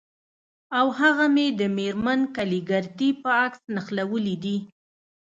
او هغه مې د میرمن کلیګرتي په عکس نښلولي دي